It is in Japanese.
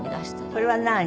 これは何？